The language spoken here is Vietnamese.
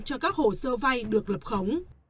cho các hồ sơ vay được lập khống